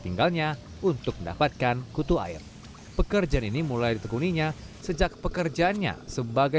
tinggalnya untuk mendapatkan kutu air pekerjaan ini mulai ditekuninya sejak pekerjaannya sebagai